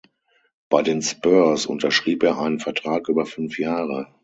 Bei den "Spurs" unterschrieb er einen Vertrag über fünf Jahre.